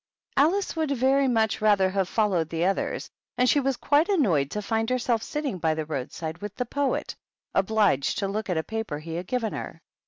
Alice would very much rather have followed the others, and she was quite annoyed to find herself sitting by the roadside with the Poet, obliged to look at a paper he had given her.